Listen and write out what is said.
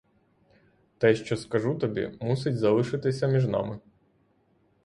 Те, що скажу тобі, мусить залишитися між нами.